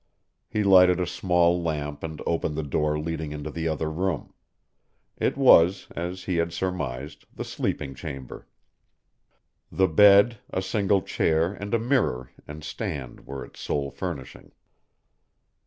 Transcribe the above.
He lighted a small lamp and opened the door leading into the other room. It was, as he had surmised, the sleeping chamber. The bed, a single chair and a mirror and stand were its sole furnishing.